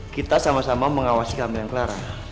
kita sama sama mengawasi keambilan clara